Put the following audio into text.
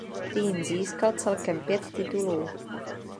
Tým získal celkem pět titulů.